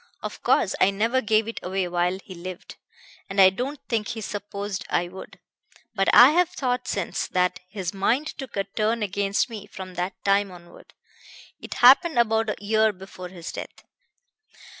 Of course I never gave it away while he lived, and I don't think he supposed I would; but I have thought since that his mind took a turn against me from that time onward. It happened about a year before his death."